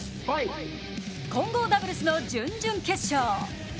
混合ダブルスの準々決勝。